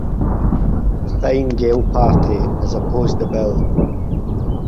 The Fine Gael party has opposed the bill.